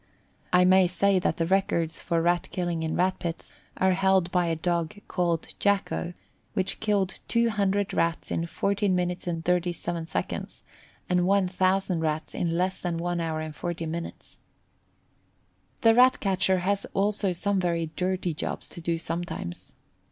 I may say that the records for Rat killing in Rat pits are held by a dog called Jacko, which killed 200 Rats in 14 minutes and 37 seconds, and 1,000 Rats in less than one hour and 40 minutes. The Rat catcher has also some very dirty jobs to do sometimes.